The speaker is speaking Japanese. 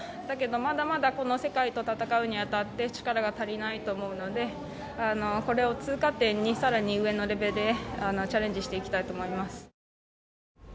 だけど、まだまだこの世界と戦うにあたって力が足りないと思うのでこれを通過点にさらに上のレベルでチャレンジしていきたいと思います。